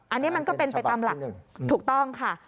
อันนี้มันก็เป็นไปตามหลักถูกต้องค่ะ